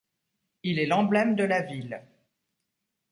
Il est l'emblème de la ville.